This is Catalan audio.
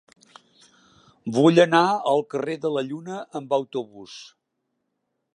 Vull anar al carrer de la Lluna amb autobús.